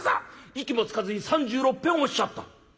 息もつかずに３６ぺんおっしゃった」。